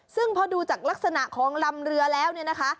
ซึ่งพอดูจากลักษณะของลำเรือแล้วเนี่ยนะคะ